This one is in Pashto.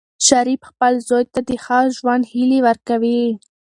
شریف خپل زوی ته د ښه ژوند هیلې ورکوي.